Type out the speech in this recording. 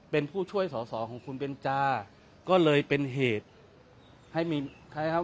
เป็นผู้ช่วยสอสอของคุณเบนจาก็เลยเป็นเหตุให้มีคล้ายครับ